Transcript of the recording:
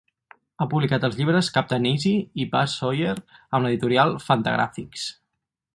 Ha publicat els llibres Captain Easy i Buz Sawyer amb l'editorial Fantagraphics.